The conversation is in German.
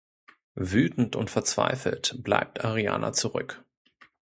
Wütend und verzweifelt bleibt Arianna zurück.